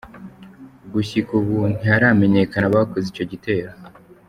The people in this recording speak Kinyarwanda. Gushika ubu ntiharamenyekana abakoze ico gitero.